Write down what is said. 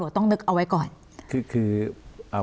คุณจอมขอบพระคุณครับ